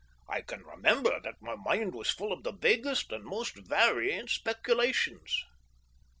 I can remember that my mind was full of the vaguest and most varying speculations.